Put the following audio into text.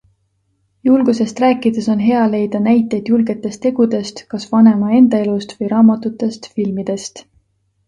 Julgusest rääkides on hea leida näiteid julgetest tegudest kas vanema enda elust või raamatutest, filmidest.